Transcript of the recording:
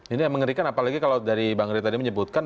ini yang mengerikan apalagi kalau dari bang ray tadi menyebutkan